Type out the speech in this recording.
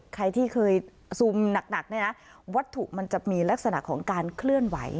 ใครที่เคยซูมหนักเนี่ยนะวัตถุมันจะมีลักษณะของการเคลื่อนไหว